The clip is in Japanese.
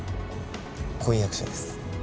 婚約者です。